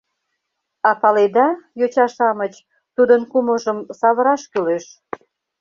— А паледа, йоча-шамыч, тудын кумылжым савыраш кӱлеш.